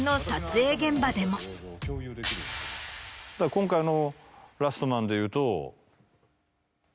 今回の。